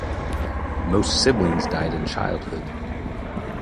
Most siblings died in childhood.